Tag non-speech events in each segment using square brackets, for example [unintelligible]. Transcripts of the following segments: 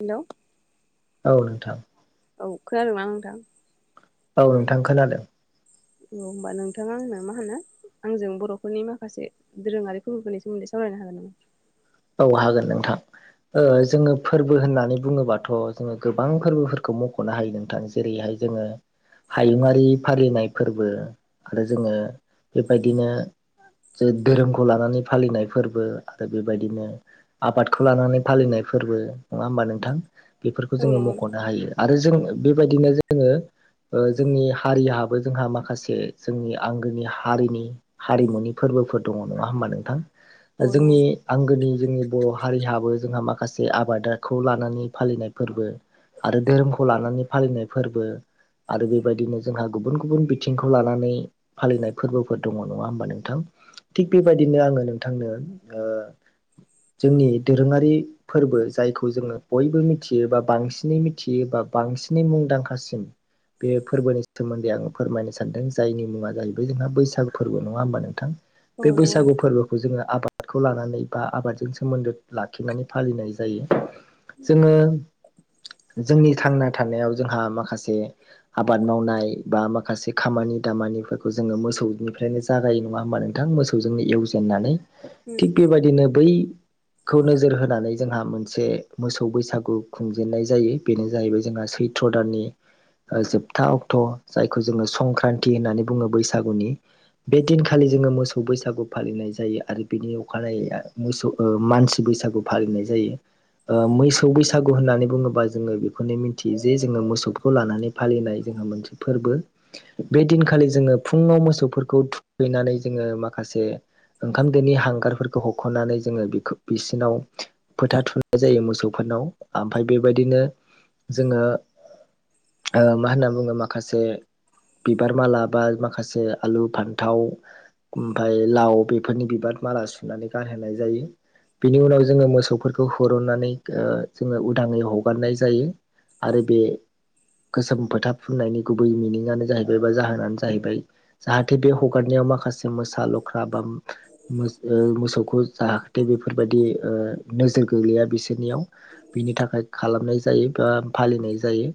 Hello? औ नोंथां। औ खोनादोंना नोंथां? औ नोंथां खोनादों औ होमबा नोंथाङा आंनो मा होनो आंजों बर'फोरनि माखासे दोरोङारि फोरबोफोरनि सोमोन्दै सावरायनो हागोन नामा? औ हागोन नोंथां ओ जोङो फोरबो होननानै बुङोबाथ' जोङो गोबां फोरबोफोरखौ मख'नो हायो नोंथां जेरैहाय जोङो हायुङारि फालिनाय फोरबो आरो जोङो बेबायदिनो ज धोरोमखौ लानानै फालिनाय फोरबो आरो बे बेबायदिनो आबादखौ लानानै फालिनाय फोरबो नङा होमबा नोंथां बेफोरखौ औ जोङो नंगौ नोंथां मख'नो हायो आरो जों बेबायदिनो जोङो ओ जोंनि हारियाबो जोंहा माखासे जोंनि आंगोनि हारिनि हारिमुनि फोर फोरबोफोर दङ नङा होमबा नोंथां औ नंगौ जोंनि आंगोनि जोंनि बर' हारिहाबो जोंहा माखासे आबादखौ लानानै फालिनाय फोरबो आरो धोरोमखौ लानानै फालिनाय फोरबो आरो बेबायदिनो जोंहा गुबुन गुबुन बिथिंखौ लानानै फालिनाय फोरबोफोर दङ नङा होमबा नोंथां थिग बेबायदिनो आङो नोंथांनो [inaudible] जोंनि दोरोङारि फोरबो जायखौ जोङो बयबो मिथियो बा बांसिनै मिथियो बा बांसिनै मुंदांखासिम बे फोरबोनि सोमोन्दै आङो फोरमायनो सानदों जायनि मुङा जाहैबाय जोंहा बैसागो फोरबो नङा होमबा नोंथां? औ बे नंगौ बैसागु फोरबोखौ जोङो आबादखौ लानानै- बा आबादजों सोमोन्दो लाखिनानै फालिनाय जायो जोङो जोंनि थांना थानायाव जोंहा माखासे आबाद मावनाय बा माखासे खामानि दामानि फोरखौ जोङो मोसौनिफ्रायनो जागायो नङा होमबा नोंथां मोसौजोंनो एवजेननानै उम बै खौ नोजोर होनानै जोंहा मोनसे मोसौ बैसागु खुंजेननाय जायो बेनो जाहैबाय जोंहा सै ट्रडाननि जोबथा अक्ट' जायखौ जोङो संक्रान्ति होननानै बुङो बैसागुनि बे दिनखालि जोङो मोसौ बैसागु फालिनाय जायो आरो बेनि अखानायै मोसौ मानसि बैसागु फालिनाय जायो। ओ मोसौ बैसागु होननानै बुङोबा जोङो बेखौनो मिन्थियो जे जोङो मोसौखौ लानानै फालिनाय जों मोनसे फोरबो बे दिनखालि जोङो फुङाव मोसौफोरखौ थुखैनानै जोङो माखासे ओंखाम दोनि हांगार हख'नानै जोङो बिसिनाव फोथा थुनाय जायो मोसौफोरनाव आमफ्राय बेबायदिनो जोङो मा होनना बुङो माखासे बिबार माला बा माखासे आलु फान्थाव ओमफ्राय लाव बेफोरनि बिबार माला सुनानै गानहोनाय जायो। बिनि उनाव जोङो मोसौफोरखौ हचरुननानै जोङो उदाङै हगारनाय जायो। आरो बे गोसोम फोथा फुननायनि गुबै मिनिंआनो जाहैबाय बा जाहोनानो जाहैबाय जाहाथे बे हगारनायाव माखासे मोसा लख्रा बा मोसौखौ जाहाथे बेफोरबायाददि नोजोर गोलैया बिसोरनियाव बिनि थाखाय खालामनाय जायो बा फालिनाय जायो।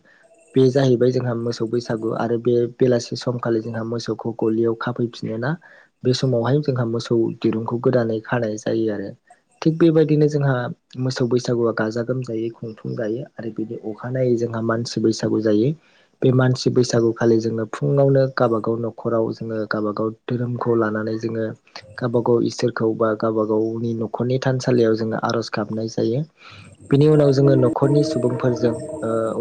बे जाहैबाय जोंहा मोसौ बैसागु आरो बे बेलासि सम खालि जोंहा मोसौखौ गलियाव खाफैफिननाय ना बे समावहाय जोंहा मोसौ दिरुंखौ गोदानै खानाय जायो आरो थिग बेबायदिनो जोंहा मोसौ बैसागुआ गाजा गोमजायै खुंफुं गायो आरो बिनि अखानायै जों जोंहा मानसि बैसागु जायो बे मानसि बैसागु खालि जोङो फुङावनो गावब गाव न'खराव जों जोङो गावबाागाव धोरोमखौ लानानै जोङो गावबा गाव इसोरखौ बा गावबा गावनि न'खरनि थानसालियाव जोङो आर'ज गाबनाय जायो। बिनि उनाव जोङो न'खरनि सुबुंफोरजों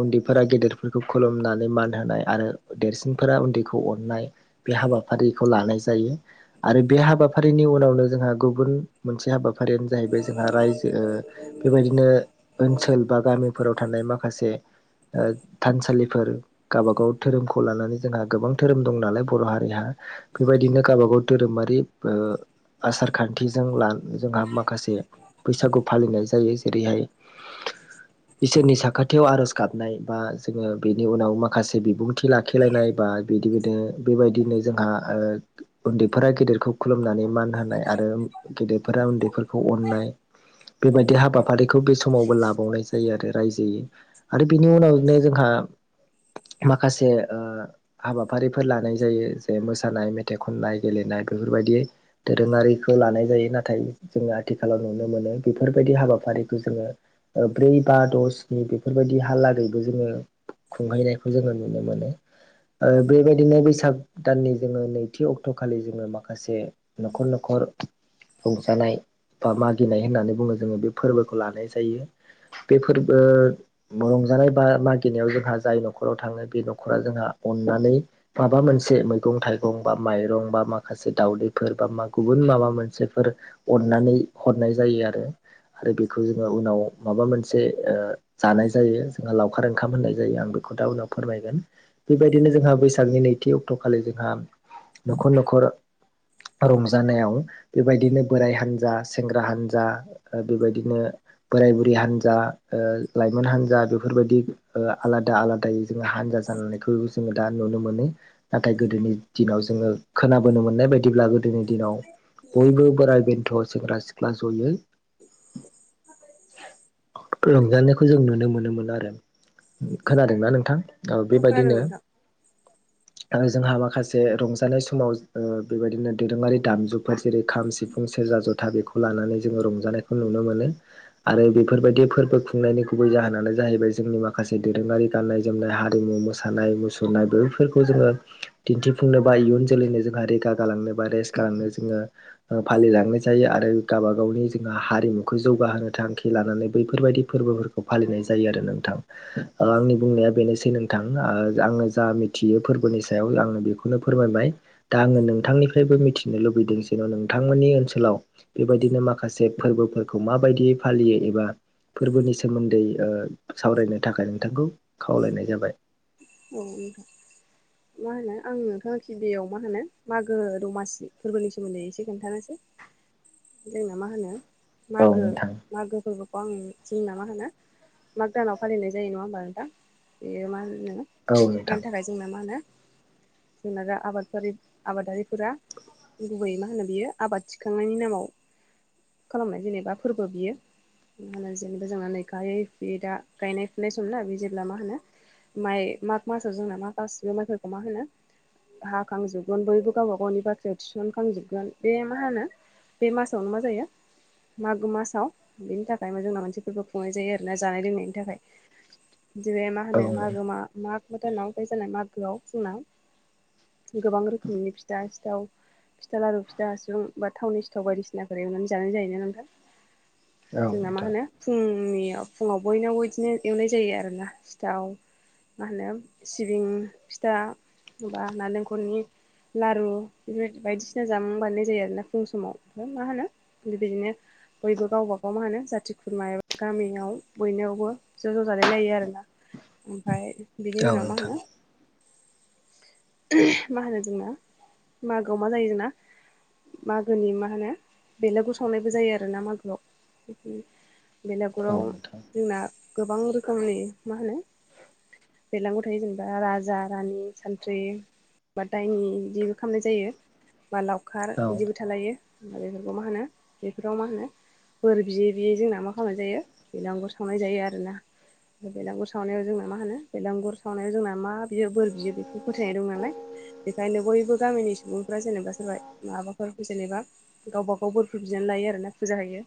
उन्दैफोरा गेदेर खौ खुलुमनानै मान होनाय आरो देरसिनफोरा उन्दैखौ अननाय बे हाबाफारिखौ लानाय जायो आरो बे हाबाफारि हाबाफारिनि उनावनो जोंहा गुबुन मोनसे हाबाफारियानो जाहैबाय जोंहा रायजो बेबायदिनो ओनसोल बा गामिफोराव थानाय माखासे ओ थानसालिफोर गावबागाव धोरोमखौ लानानै जोंहा गोबां धोरोम दं नालाय बर' हारिहा बेबायदिनो गावबागाव धोरोमारि आसार खान्थिजों लानो जोंहा माखासे बैसागु फालिनाय जायो जेरैहाय इसोरनि साखाथियाव आर'ज गाबनाय बा जोङो बेनि उनाव माखासे बिबुं खुन्थिलाखिलायनाय बा बिदि बिनो बेबायदिनो जोंहा उन्दैफोरा गेदेरखौ खुलुमनानै मान होनाय आरो गेदेरफोरा उन्दैफोरखौ अननाय बेबायदि हाबाफारिखौ बे समावबो लाबावनाय जायो आरो रायजोै आरो बिनि उनावनो जोंहा [unintelligible] माखासे ओ हाबाफारिफोर लानाय जायो जे मोसानाय मेथाइ खननाय गेलेनाय बेफोर बेफोरबायदि दोरोङारिखौ लानाय जायो नाथाय जोङो आथिखालाव नुनो मोनो बेफोरबायदि हाबाफारि जोङो ब्रै बा द स्नि बेफोरबायदि हालागैबो जोङो खुंहैनायखौ जोङो नुनो मोनो ओ बेबायदिनो बैसाग दाननि जोङो नैथि अक्ट' खालि जोङो मा खासे न'खर न'खर रंजानाय बा मागिनाय होननानै बुङो जोङो बे फोरबोखौ लानाय जायो बे फोरबो रंजानाय बा मागिनायाव जोंहा जाय न'खराव थाङो बे न'खरा जोंहा अननानै माबा मोनसे मैं मैगं थाइगं बा माइरं बा मा खासे दावउदैफोर बा मा गुबुन माबा मोनसेफोर अननानै हरनाय जायो आरो आरो बेखौ जोङो उनाव माबा मोनसे ओ जानाय जायो जोंहा लावखार ओंखाम होननाय जायो आं बेखौ [unintelligible] उनाव फोरमायगोन बेबायदिनो जोंहा बैसागनि नैथि अक्ट' खालि जोंहा न'खर न'खर [inaudible] रंजानायाव बेबायदिनो बोराइ हान्जा सेंग्रा हान्जा बेबायदिनो बोराय बुरि हान्जा ओ लाइमोन हान्जा बेफोरबायदि ओ आलादा आलादायै जोङो हानजा [unintelligible] जोङो दा नुनो मोनो नाथाय गोदोनि दिनाव जोङो [unintelligible] मोननाय बायदिब्ला गोदोनि दिनाव बयबो बोराइ बेन्थ' सेंग्रा सिख्ला क्ला जयै [unintelligible] रंजानायखौ जों नुनो मोनोमोन आरो खोनादोंना नोंथां औ खोनादों बेबायदिनो नोंथां आरो जोंहा माखासे रंजानाय समाव ओ बेबायदिनो दोरोङारि दामजुफोर जेरै खाम सिफुं सेरजा जथा बेखौ लानानै जोङो रंजानायखौ नु नो मोनो आरो बेफोरबायदि फोरबो खुंनायनि गुबै जाहोनानो जाहैबाय जोंनि माखासे दोरोङारि गान नाय जोमनाय हारिमु मोसानाय मुसुरनाय बेफोरखौ जोङो दिन्थिफुंनो बा इयुन जोलैनो जोङो [unintelligible] गालांनो बा रेस्ट गालांनो जोङो फालिलांनो जायो आरो गावबा गावनि जोंहा हारिमु हारिमुखौ जौगाहोनो थांखि लानानै बैफोरबायदि फोरबोफोरखौ फालिनाय जायो आरो नोंथां ओ आंनि बुंनाया बेनोसै नोंथां आङो जा मिथियो फोरबोनि सायाव आङो बेखौनो फोरमायबाय दा आङो नोंथांनिफ्रायबो मिथिनो लुबैदों जेन' नोंथांमोननि ओनसोलाव बेबायदिनो माखासे फोरबो खौ माबायदि फालियो एबा फोरबोनि सोमोन्दै सावरायनो थाखाय नोंथांखौ खावलायनाय जाबाय औ मा होनो आं नोंथांखि बेयाव मा होनो मागो दमासि फोरबोनि सोमोन्दै एसे खोन्थानोसै जोंना मा होनो औ मागो नोंथां मागोबो बे आं जोंना मा होनो माग दानाव फालिनाय जायो नंङा होमबा नोंथां बेयो मा होनो औ मानि नोंथां थाखाय जोंना मा होनो जोंना आरो आबाद आबादारिफोरा गुबै मा होनो बियो आबाद थिखांनायनि नामाव खालामनाय जेनेबा फोरबो बियो। मा होनो जेनेबा जोंहा नै गायै बे दा गायनाय फुनाय समना बे जेब्ला मा होनो? माइ माग मासाव जोंना मा गासिबो माइफोरखौ मा होनो? हाखांजोबगोन बयबो गावबा गावनि बाख्रियाव थिसनखांजोबगोन बे मा होनो? बे मासावनो मा जायो। मागो मासाव बेनि थाखाय जोंना मानसिफोरखौ खुंनाय जायो आरोना जानाय लोंनायनि थाखाय। जै मा औ होनो औ मागो मा मागो मा दानाव जानाय मागोआव जोंना गोबां रोखोमैनि फिथा सिथाव फिथा लारु फिथा हासुं बा थावनि सिथाव बायदिसिनाफोर एवनानै जानाय जायोना नोंथां। जोंना मा नोंथां होनो फुंनि फुंङाव बयनावबो बिदिनो एवनाय जायो आरोना सिथाव। मा होनो सिबिं फिथा बा नालेंखलनि लारु बे बायदिसिना जामुं बानायनाय जायो आरोना फुं समाव ओमफ्राय मा होनोबायदिनो। बयबो गावबाागाव मा होनो जाथि खुरमा एबा गामियाव बयनियावबो ज' ज' जालाय लायो आरोना। ओमफफ्राय बिनि औ उनाव मा नोंथां होनो? मा होनो जोंना मागोआव मा जायो जोंना। मागोनि मा होनो बेलागु संनायबो जायो आरोना मागोआव बिनो औ नोंथां औ बेलागुराव जोंना गोबां रोखोमनि मा होनो? बेरलांगौ थायो जेनेबा राजा रानि सानथ्रि। बा दायनि बिदिबो खालामनाय जायो बा लावखार बिदिबो थालायो। आरो बेफोरखौ मा होनो बेफोराव मा होनो? बोर बियै बियै जोंना मा खालामनाय जायो बेलांगुर सावनाय जायो आरोना बेलांगुर साव सावनायाव जोंना मा होनो बेलागुर सावनायाव जोंना मा बियो बोर बियो बेखौ फोथायनाय दं नालाय बेखायनो बयबो गामिनि सुबुंफ्रा जेनेबा सोरबा माबाफोर जेनेबा गावबा गाव बोरफोर बिनानै लायो आरोना फुजा होयो।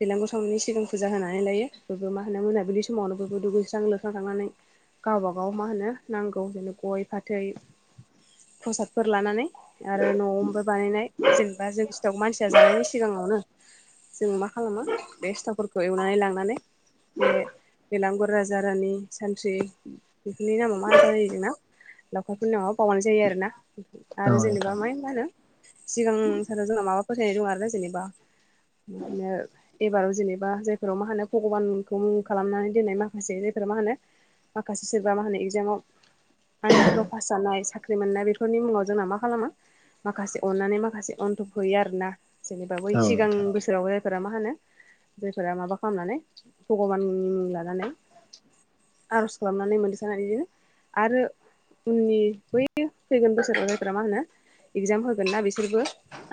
बेलांगौ समावनि सिगां फुजा होनानै लायो बयबो मा होनो मोनाबिलि समावनो बयबो दुगैस्रां लोब थां थांनानै गावबा गाव मा होनो नांगौ जेननो गय फाथै प्रसादफोर लानानै आरो न'आवनोफ्राय बानायनाय जेनेबा जों सिथाव मानसिया जानायनि सिगांङावनो जों मा खालामो बे सिथावफोरखौ एवनानै लांनानै बेलांगुर राजा रानि सानस्रि बेफोरनि नामाव मा जायो जोंना लावखारफोरनि नामाव बावनाय जायो आरोना। औ नोंथां आरो औ नोंथां औ नोंथां औ नोंथां औ नोंथां औ नोंथां औ जेनेबा माय होनबा होनो सिगां साराव जोंना माबा फोथायनाय दं आरो जेनेबा मा होनो एबाराव जेनेबा जायफोराव मा होनो भगबानखौ मुं खालामनानै दोननाय माखासे जायफोराव मा होनो? माखासे सोरबा मा होनो एगजामाव आनजादफोराव पास जानाय साख्रि मोननाय बेफोरनि मुंङाव जोंना मा खालामो। माखासे अननानै माखासे अन्थोब होयो आरोना जेनेबा बै सिगां बोसोराव फोरा मा होनो जायफोरा माबा खालामनानै भगबाननि मुं लानानै आर'ज खालामनानै मोनोसनानै बिदिनो आरो उननि बै। फैगोन बोसोराव जायफोरा मा होनो? इगजाम होगोन ना बिसोरबो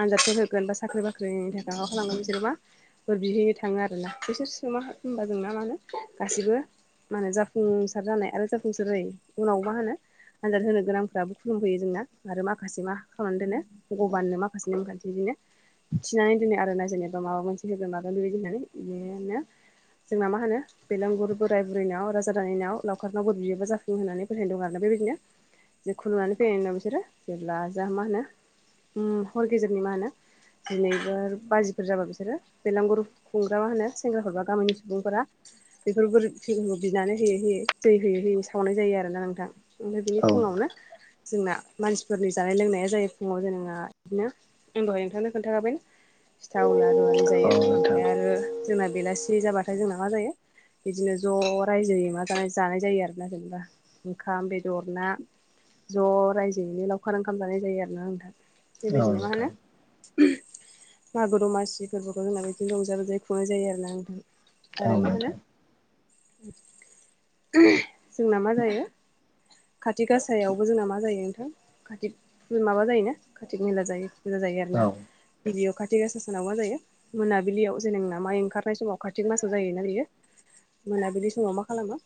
आनजादसे होगोन बा साख्रि बाख्रिनि थाखाय हाबा खालामगोन बिसोरबा बिहैनो थांङो आरोना बिसोर सोमा होनोमबा जोंना मा होनानो गासिबो माने जाफुंसार जानाय आरो जाफुंसार जायो उनाव मा होनो? आनजाद होनो गोनांफ्राबो खुलुमफैयो जोंना आरो माखासे मा खालामनानै दोनो भगबाननो माखासे नेमखान्थि बिदिनो। थिनानै दोनो आरो ना जेनेबा माबा मोनसे होगोन मागोन लुुबैयो दोननानै बेनो जोंना मा होनो बेलां गुर बोराय गुरैनाव राजा रानिनाव लावखारनाव गोर बियोबा जाफुंङ होननानै फोथायदोंं आरो बेबायदिनो जेखौ नुनानै फैनायनि उनाव बिसोरो जेब्ला जों मा होनो हर गेजेरनि मा होनो दिनैबो बाजिफोर जाबा बिसोरो बेलांगुर खुंग्रा मा होनो सेंग्राफोर बा गामिनि सुबुंफोरा बेफोर [unintelligible] [unintelligible] बिनानै होयै होयै जै होयै होयै सावनाय जायो आरोना नोंथां। ओमफ्राय बिनि फुङावनो जोंना मानसिफोरनि जानाय लोंनाया जायो फुङाव जोंहा बिदिनो आं दहाय नोंथांनो खोन्थाखाबाय। सिथाव ला रु जायो ओमफ्राय आरो जोंना बेलासि जाबाथाय जोंना मा जायो बिदिनो ज' रायजोयै मा जानाय जानाय जायो आरोना जेनेबा ओंखाम बेदर ना ज' रायजोयैनो लावखार ओंखाम जानाय जायो आरोना नोंथां। बेबायदिनो मा होनो मागो दमासि फोरबोखौ जोंना बिदिनो रंजा बुजाय खुंनाय जायो आरोना नोंथां। आरो मा होनो जोंना मा जायो खाति गासायावबो जोंना मा जायो नोंथां कतिक माबा जायोना कतिक मेला जायो। फुजा जायो आरो ना। गिबियाव काति सानाव मा जायो मोनाबिलियाव जेनबा माइ ओंखारनाय समाव कातिक मासाव जायोना बियो मोनाबिलि समाव मा खालामो,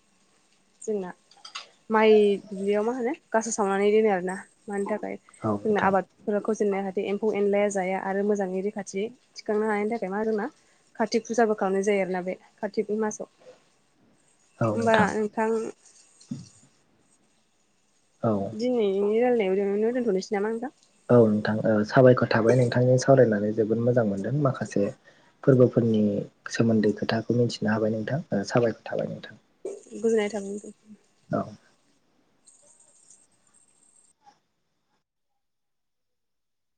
जोंना माइ दुब्लियाव मा होनो गासा सावनानै दोनो आरोना‌ मानि थाखाय जोंना नोंथां आबादफोरा जाहाथे एम्फौ एनलाया जाया आरो मोजाङै रैखाथि थिखांनो हानायनि थाखाय मा जोंना कातिक फुजाखो खालामनाय जायो आरोना बे कातिक मासाव। ओमबा नोंथां औ दिनै रायजलनायावनो दोनथ'नोसै नामा नोंथां। औ नोंथां साबायखर थाबाय नोंथांजों सावरायनानै जोबोद मोजां मोनदों माखासे फोर्बोफोरनि सोमोन्दै खोथाखौ मिन्थिनो हाबाय नोंथां। साबायखर थाबाय नोंथां। गोजोननाय थाबाय नोंथां। औ